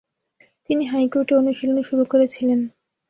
তিনি হাইকোর্টে অনুশীলন শুরু করেছিলেন।